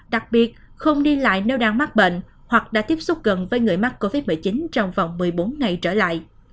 đặc biệt không đi lại nếu đang mắc bệnh hoặc đã tiếp xúc gần với người mắc covid một mươi chín trong vòng một mươi bốn ngày trở lại